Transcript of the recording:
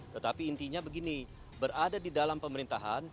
tetapi intinya begini berada di dalam pemerintahan